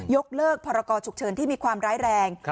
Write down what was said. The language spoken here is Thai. ยกเลิกพรกรฉุกเฉินที่มีความร้ายแรง